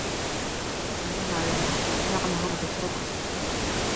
젊은 날은 유쾌함으로 가득 찰 것이다.